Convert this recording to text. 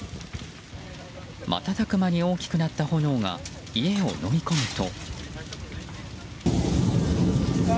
瞬く間に大きくなった炎が家をのみ込むと。